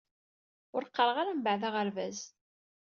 Ur qqaṛeɣ ara mbaɛd aɣerbaz.